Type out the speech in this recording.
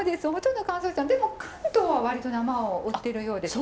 でも関東は割と生を売ってるようですよ。